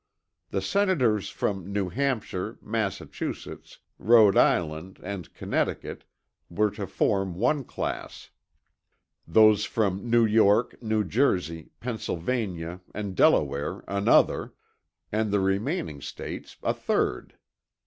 The senators from New Hampshire, Massachusetts, Rhode Island and Connecticut were to form one class; those from New York, New Jersey, Pennsylvania and Delaware another; and the remaining States a third.